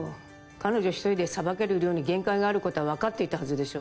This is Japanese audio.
彼女一人でさばける量に限界があることは分かっていたはずでしょ